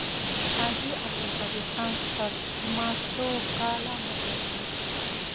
حاجي عبدالقدیر خان تر ما څو کاله مشر دی.